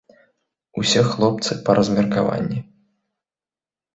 Усе хлопцы, па размеркаванні.